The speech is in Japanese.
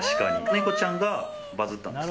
ネコちゃんがバズったんですか？